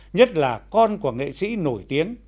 nhất là con của nghệ sĩ nổi tiếng